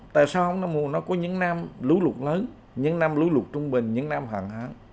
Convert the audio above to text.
tại sao không nó có những năm lũ lụt lớn những năm lũ lụt trung bình những năm hẳn hẳn